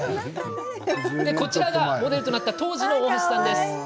こちらが、モデルとなった当時の大橋さん。